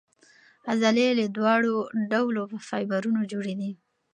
عضلې له دواړو ډولو فایبرونو جوړې دي.